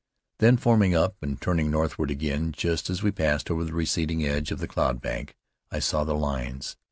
Then, forming up and turning northward again, just as we passed over the receding edge of the cloud bank, I saw the lines.